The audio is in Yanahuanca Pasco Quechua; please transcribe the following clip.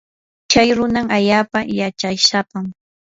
chay runa allaapa yachaysapam.